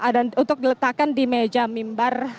dan untuk diletakkan di meja mimbar